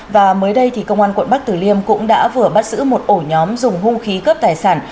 và mới đây công an quận bắc tử liêm cũng đã vừa bắt giữ một ổ nhóm dùng hung khí cướp tài sản